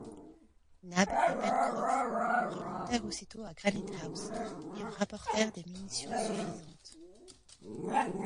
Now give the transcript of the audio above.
Nab et Pencroff remontèrent aussitôt à Granite-house et en rapportèrent des munitions suffisantes.